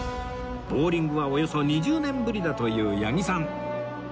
ボウリングはおよそ２０年ぶりだという八木さん